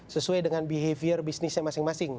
sesuai dengan behavior bisnisnya masing masing